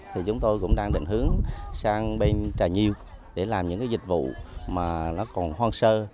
chúng tôi cũng đang định hướng sang bên trà nhiêu để làm những dịch vụ còn hoang sơ